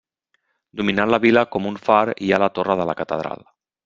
Dominant la vila com un far hi ha la torre de la catedral.